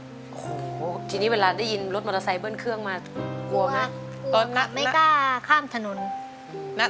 โอโหทีนี้เวลาได้ยินรถมอเตอร์ไซค์เบิ้ลเครื่องมากลัวมาก